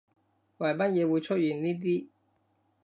為乜嘢會出現呢啲